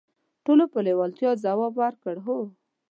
ټولو په لیوالتیا ځواب ورکړ: "هو".